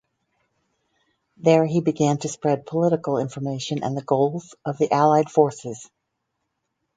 There he began to spread political information and the goals of the allied forces.